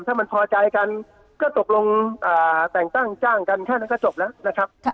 ถ้ามันพอใจกันก็ตกลงแต่งตั้งจ้างกันแค่นั้นก็จบแล้วนะครับ